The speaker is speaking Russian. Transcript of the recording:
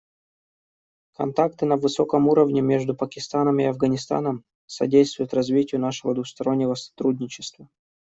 Контакты на высоком уровне между Пакистаном и Афганистаном содействуют развитию нашего двустороннего сотрудничества.